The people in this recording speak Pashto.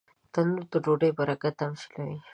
تنور د ډوډۍ برکت تمثیلوي